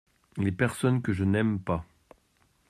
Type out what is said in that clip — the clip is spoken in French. Les personnes que je n’aime pas.